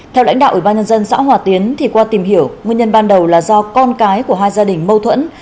theo lãnh đạo ủy ban nhân dân xã hòa tiến thì qua tìm hiểu nguyên nhân ban đầu là do con cái của hai gia đình mâu thuẫn